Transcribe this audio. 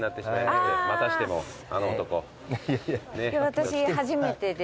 私初めてで。